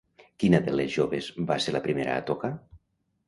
Quina de les joves va ser la primera a tocar?